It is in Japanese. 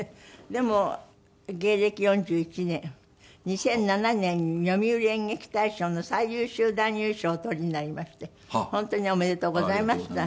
でも芸歴４１年２００７年に読売演劇大賞の最優秀男優賞をお取りになりまして本当におめでとうございました。